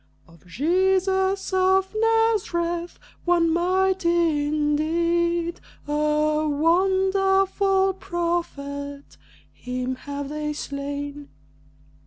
"Of Jesus of Nazareth, one mighty in deed, A wonderful prophet; him have they slain.